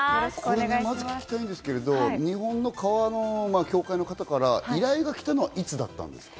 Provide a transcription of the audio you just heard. まず聞きたいんですけど、日本の革の協会の方から依頼が来たのはいつだったんですか？